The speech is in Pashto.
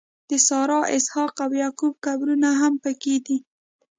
د سارا، اسحاق او یعقوب قبرونه هم په کې دي.